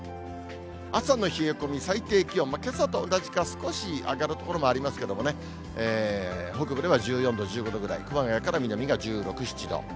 朝の冷え込み、最低気温、けさと同じか、少し上がる所もありますけどね、北部では１４度、１５度ぐらい、熊谷から南が１６、７度。